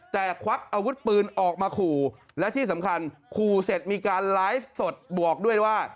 แต่ควักอาวุธปืนออกมาขู่และที่สำคัญขู่เสร็จมีการไลฟ์สดบวกด้วยว่า